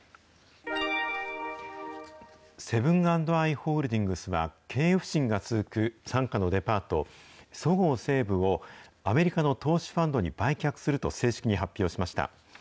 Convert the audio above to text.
セブン＆アイ・ホールディングスは、経営不振が続く傘下のデパート、そごう・西武をアメリカの投資ファンドに売却すると正式に発表しました。